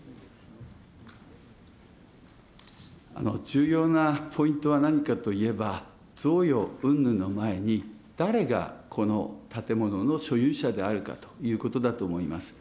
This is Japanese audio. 重要なポイントは何かといえば、贈与うんぬんの前に、誰がこの建物の所有者であるかということだと思います。